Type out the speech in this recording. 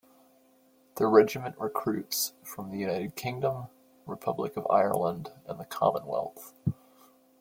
The Regiment recruits from the United Kingdom, Republic of Ireland and the Commonwealth.